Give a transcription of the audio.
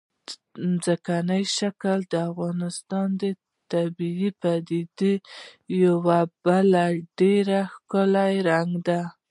ځمکنی شکل د افغانستان د طبیعي پدیدو یو بل ډېر ښکلی رنګ دی.